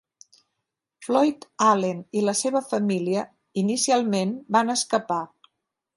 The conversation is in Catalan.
Floyd Allen i la seva família, inicialment, van escapar.